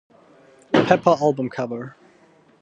Pepper album cover.